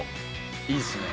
いいっすね。